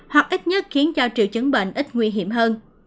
hoặc ít nhất khiến cho triệu chứng bệnh ít nguy hiểm hơn